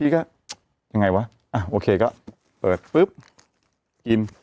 ก็ยังไงวะโอเคก็เปิดปุ๊บกิน